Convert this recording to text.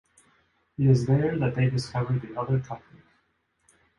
It is there that they discover the other cuff link.